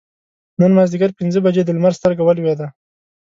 نن مازدیګر پینځه بجې د لمر سترګه ولوېده.